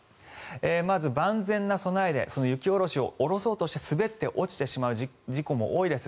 まず、万全な備えで雪を下ろそうとして滑って、落ちてしまう事故も多いです。